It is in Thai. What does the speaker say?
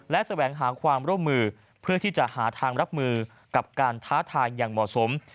และแสวงหาความร่วมมือเพื่อที่จะหาทางรับมือกับการท้าทายอย่างเหมาะสม